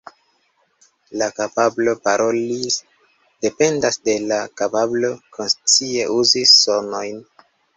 La kapablo paroli dependas de la kapablo konscie uzi sonojn.